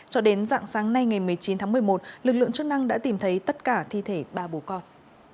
cho đến dạng sáng nay ngày một mươi chín tháng một mươi một lực lượng chức năng đã tìm thấy tất cả thi thể ba bố con